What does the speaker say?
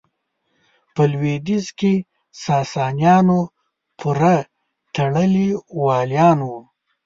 په لوېدیځ کې ساسانیانو پوره تړلي والیان وو.